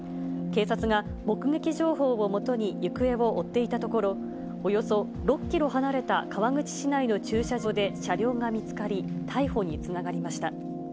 警察が、目撃情報をもとに行方を追っていたところ、およそ６キロ離れた川口市内の駐車場で車両が見つかり、逮捕につながりました。